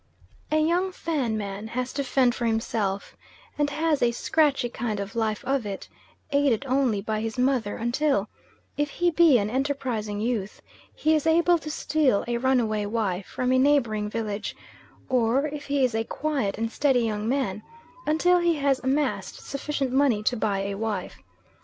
A young Fan man has to fend for himself, and has a scratchy kind of life of it, aided only by his mother until if he be an enterprising youth he is able to steal a runaway wife from a neighbouring village, or if he is a quiet and steady young man, until he has amassed sufficient money to buy a wife.